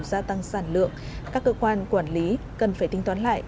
gia tăng sản lượng các cơ quan quản lý cần phải tính toán lại